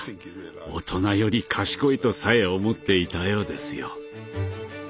大人より賢いとさえ思っていたようですよ。